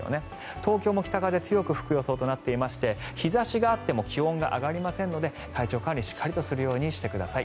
東京も北風が強く吹く予想となっていまして日差しがあっても気温が上がりませんので体調管理をしっかりするようにしてください。